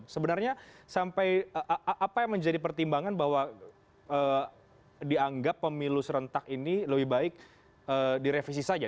sebenarnya sampai apa yang menjadi pertimbangan bahwa dianggap pemilu serentak ini lebih baik direvisi saja